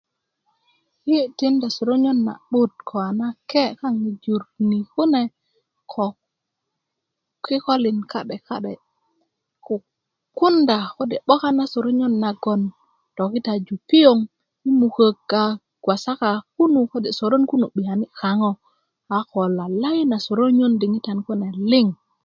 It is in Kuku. yi tindu soronyö na'but ko a nake kaŋ i jur ni kune ko kikolin ka'de ka'de ko kukunda kode 'boka na sörönyö nagoŋ tokitaju piyoŋ i mukök a wasaka kunu kode' soron kunu 'biyani kaŋo a ko lalai na soronyö diŋitan kune liŋ